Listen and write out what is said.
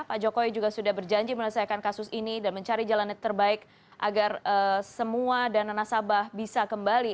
pak jokowi juga sudah berjanji menyelesaikan kasus ini dan mencari jalan yang terbaik agar semua dana nasabah bisa kembali